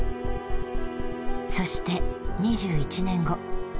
そして２１年後。